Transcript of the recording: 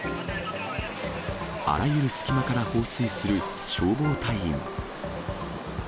あらゆる隙間から放水する消防隊員。